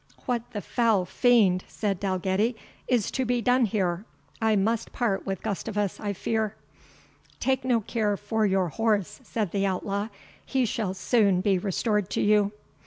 "What the foul fiend," said Dalgetty, "is to be done here? I must part with Gustavus, I fear." "Take no care for your horse," said the outlaw; "he shall soon be restored to you."